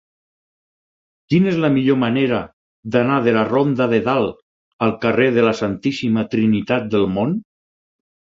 Quina és la millor manera d'anar de la ronda de Dalt al carrer de la Santíssima Trinitat del Mont?